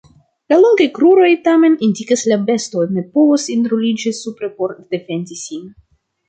La longaj kruroj, tamen, indikas la besto ne povus enruliĝi supre por defendi sin.